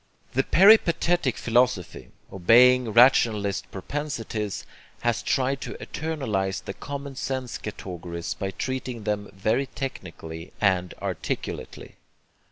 The peripatetic philosophy, obeying rationalist propensities, has tried to eternalize the common sense categories by treating them very technically and articulately.